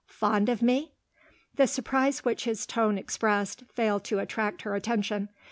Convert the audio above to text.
"Fond of me?" The surprise which his tone expressed, failed to attract her attention.